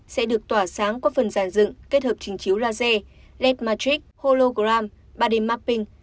sẽ được tỏa sáng qua phần dàn dựng kết hợp trình chiếu laser led matrix hologram body mapping